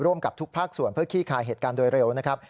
ร่วมกับทุกภาคส่วนเพื่อขี้คายเหตุการณ์โดยเร็วนะครับ